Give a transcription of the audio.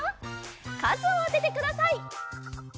かずをあててください。